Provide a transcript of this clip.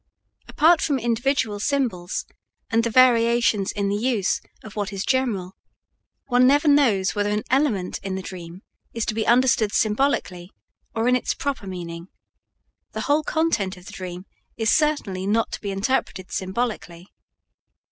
Apart from individual symbols and the variations in the use of what is general, one never knows whether an element in the dream is to be understood symbolically or in its proper meaning; the whole content of the dream is certainly not to be interpreted symbolically.